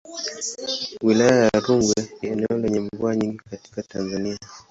Wilaya ya Rungwe ni eneo lenye mvua nyingi katika Tanzania.